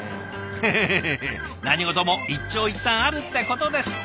フフフフフ何事も一長一短あるってことです。